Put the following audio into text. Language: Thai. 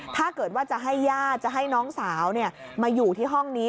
ถ้าเกิดว่าจะให้ญาติจะให้น้องสาวมาอยู่ที่ห้องนี้